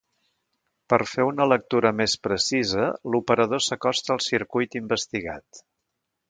Per fer una lectura més precisa, l'operador s'acosta al circuit investigat.